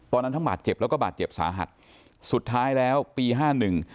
ทั้งบาดเจ็บแล้วก็บาดเจ็บสาหัสสุดท้ายแล้วปีห้าหนึ่ง